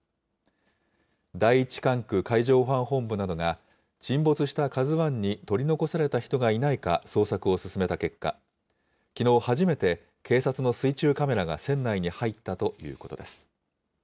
第１管区海上保安本部などが、沈没したＫＡＺＵＩに取り残された人がいないか捜索を進めた結果、きのう初めて警察の水中カメラが船内に入ったということです。